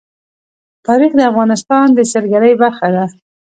تاریخ د افغانستان د سیلګرۍ برخه ده.